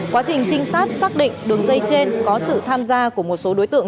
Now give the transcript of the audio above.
quá trình trinh sát xác định đường dây trên có sự tham gia của một số đối tượng